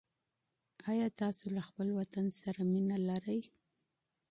آیا تاسو له خپل وطن سره مینه لرئ؟